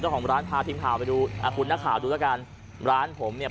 ของร้านพาทีมข่าวไปดูอ่าคุณนักข่าวดูแล้วกันร้านผมเนี่ย